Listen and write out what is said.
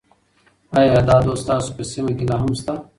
ایا دا دود ستاسو په سیمه کې لا هم شته؟